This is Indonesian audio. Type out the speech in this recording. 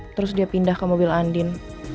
terus dia pindah ke mobil andin